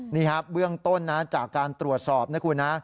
นี่ครับเบื้องต้นนะจากการตรวจสอบนะคุณนะ